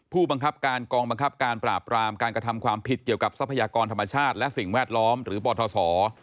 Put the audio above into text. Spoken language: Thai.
ผู้บังคับการกองบังคับการปราบรามการกระทำความผิดเกี่ยวกับทรัพยากรธรรมชาติและสิ่งแวดล้อมหรือปทศ